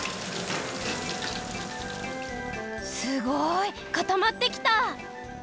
すごい！かたまってきた！